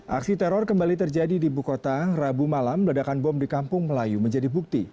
aksi teror kembali terjadi di buku kota rabu malam ledakan bom di kampung melayu menjadi bukti